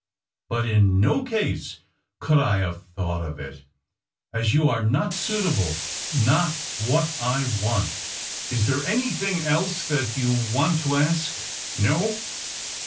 But in no case could I have thought of it, as you are not suitable, not what I want. Is there anything else that you w\ant to ask ? No